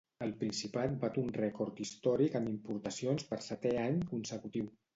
El Principat bat un rècord històric en importacions per setè any consecutiu.